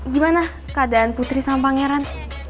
gimana keadaan putri sang pangeran